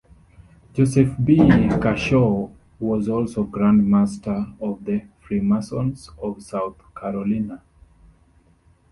Joseph B. Kershaw was also Grand Master of the Freemasons of South Carolina.